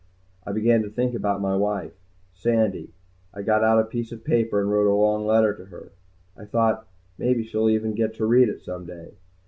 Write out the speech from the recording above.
I began to think about my wife, Sandy. I got out a piece of paper and wrote a long letter to her. I thought, maybe she'll even get to read it some day.